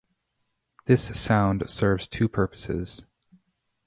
This sound serves two purposes.